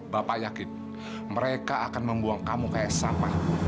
bapak yakin mereka akan membuang kamu kayak sampah